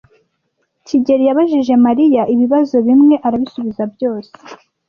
kigeli yabajije Mariya ibibazo bimwe arabisubiza byose.